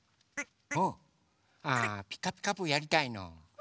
あ「ピカピカブ！」やりたいの？